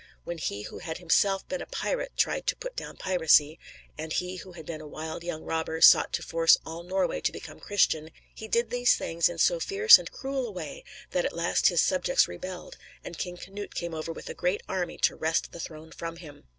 When he who had himself been a pirate tried to put down piracy, and he who had been a wild young robber sought to force all Norway to become Christian, he did these things in so fierce and cruel a way that at last his subjects rebelled, and King Canute came over with a great army to wrest the throne from him.